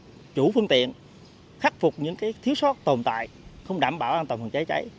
các chủ phương tiện khắc phục những thiếu sót tồn tại không đảm bảo an toàn phòng cháy cháy